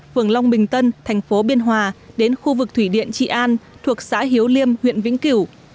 phường long bình tân thành phố biên hòa đến khu vực thủy điện trị an thuộc xã hiếu liêm huyện vĩnh cửu